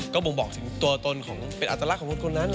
ก็บ่งบอกถึงตัวตนของเป็นอัตลักษณ์ของคนนั้น